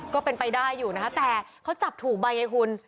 ก็เป็นไปได้อยู่นะคะแต่เขาจับถูกใบไงคุณ